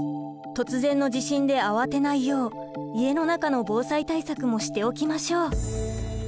突然の地震で慌てないよう家の中の防災対策もしておきましょう。